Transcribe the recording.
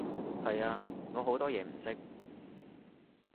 係啊，我好多嘢唔識